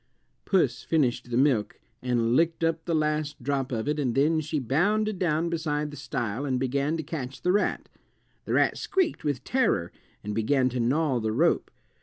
Puss finished the milk and licked up the last drop of it, and then she bounded down beside the stile and began to catch the rat. The rat squeaked with terror and began to gnaw the rope.